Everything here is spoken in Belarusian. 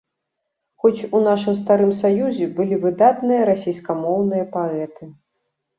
Хоць у нашым старым саюзе былі выдатныя расейскамоўныя паэты.